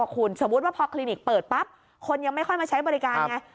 คุณสมมุติว่าพอคลินิกเปิดปั๊บคนยังไม่ค่อยมาใช้บริการไง